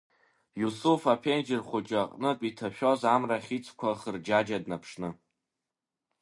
Иусуф аԥенџьыр хәыҷы аҟнытә иҭашәоз амрахь ицқәа хырџьаџьа днаԥшны…